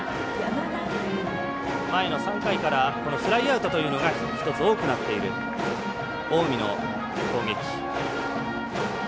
前の３回からフライアウトというのが一つ多くなっている近江の攻撃。